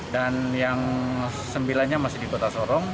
dan yang sembilannya masih di kota sorong